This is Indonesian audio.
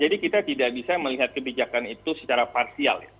jadi kita tidak bisa melihat kebijakan itu secara parsial